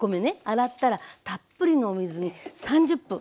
洗ったらたっぷりのお水に３０分。